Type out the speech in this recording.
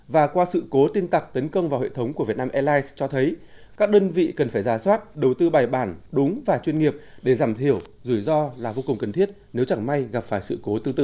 và qua sự cố tin tặc tấn công vào hệ thống của việt nam airlines cho thấy các đơn vị cần phải ra soát đầu tư bài bản đúng và chuyên nghiệp để giảm thiểu rủi ro là vô cùng cần thiết nếu chẳng may gặp phải sự cố tương tự